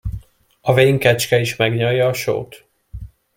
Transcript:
A vén kecske is megnyalja a sót.